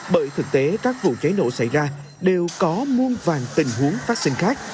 bởi thực tế các vụ cháy nổ xảy ra đều có muôn vàng tình huống phát sinh khác